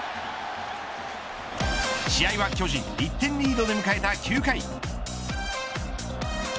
試合は巨人１点リードで迎えた９回。